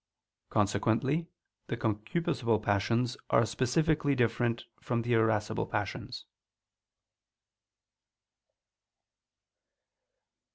Consequently the concupiscible passions are specifically different from the irascible passions.